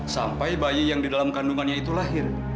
sampai bayi yang di dalam kandungannya itu lahir